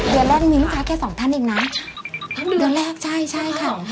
เดือนแรกมีลูกค้าแค่สองท่านเองนะเดือนแรกใช่ใช่ค่ะ